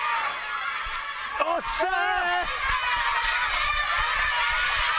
おっしゃー！